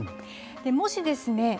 もしですね